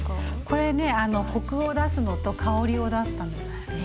これねコクを出すのと香りを出すためですね。